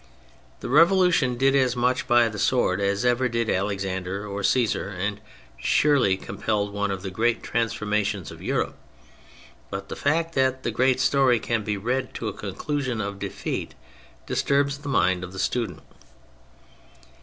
The Revolution did as much by the sword as ever did Alexander or Csesar, and as surely compelled one of the great transformations of Europe. But the fact that the great story can be read to a conclusion of defeat disturbs the mind of the student.